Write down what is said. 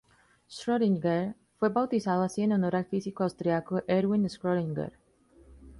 Schrödinger fue bautizado así en honor al físico austriaco Erwin Schrödinger.